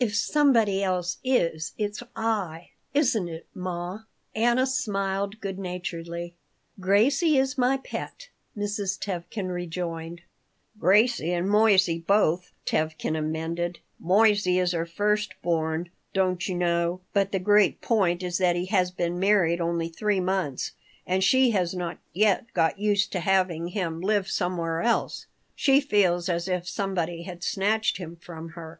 lf somebody is, it's I, isn't it, ma?" Anna smiled good naturedly "Gracie is my pet," Mrs. Tevkin rejoined "Gracie and Moissey, both," Tevkin amended. "Moissey is her first born, don't you know. But the great point is that he has been married only three months, and she has not yet got used to having him live somewhere else. She feels as if somebody had snatched him from her.